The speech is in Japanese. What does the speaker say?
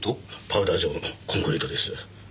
パウダー状のコンクリートです。